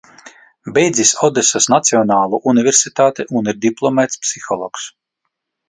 Beidzis Odesas Nacionālo universitāti un ir diplomēts psihologs.